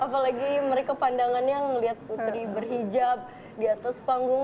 apalagi mereka pandangannya melihat putri berhijab di atas panggung